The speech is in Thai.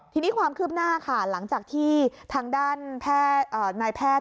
ทีนี้ความคืบหน้าค่ะหลังจากที่ทางด้านนายแพทย์